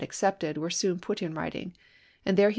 accepted, were soon put in writing, and there he Api.